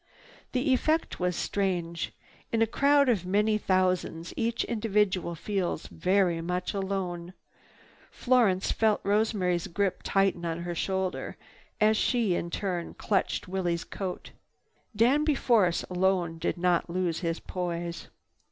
The effect was strange. In a crowd of many thousands each individual feels very much alone. Florence felt Rosemary's grip tighten on her shoulder as she, in turn, clutched at Willie's coat. Danby Force alone did not lose his poise.